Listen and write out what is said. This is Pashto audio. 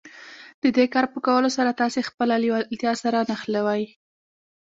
د دې کار په کولو سره تاسې خپله لېوالتیا سره نښلوئ.